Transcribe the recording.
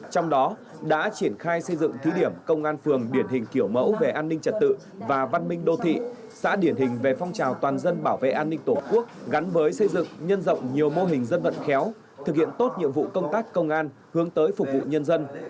trong đó đã triển khai xây dựng thí điểm công an phường điển hình kiểu mẫu về an ninh trật tự và văn minh đô thị xã điển hình về phong trào toàn dân bảo vệ an ninh tổ quốc gắn với xây dựng nhân rộng nhiều mô hình dân vận khéo thực hiện tốt nhiệm vụ công tác công an hướng tới phục vụ nhân dân